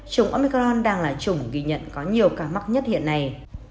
chủng omicron đang là chủng ghi nhận có nhiều ca mắc nhất hiện nay